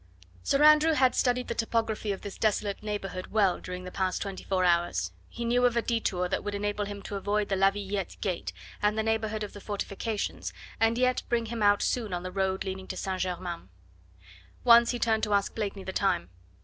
Sir Andrew had studied the topography of this desolate neighbourhood well during the past twenty four hours; he knew of a detour that would enable him to avoid the La Villette gate and the neighbourhood of the fortifications, and yet bring him out soon on the road leading to St. Germain. Once he turned to ask Blakeney the time.